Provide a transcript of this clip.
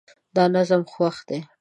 دا نظم خوښ دی